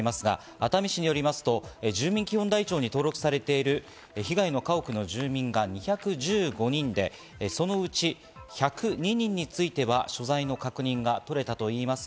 熱海市によりますと住民基本台帳に登録されている被害の家屋の住民が１１５人で、そのうち１０２人については所在の確認が取れたといいます。